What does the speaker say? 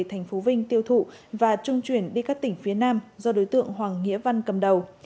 thành phố vinh tiêu thụ và trung chuyển đi các tỉnh phía nam do đối tượng hoàng nghĩa văn cầm đầu